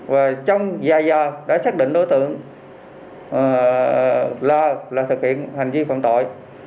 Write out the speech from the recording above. và trong dài giờ đã xác định đối tượng là thực hiện hành vi phạm tội